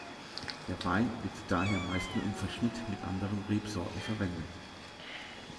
Der Wein wird daher meist nur im Verschnitt mit anderen Rebsorten verwendet.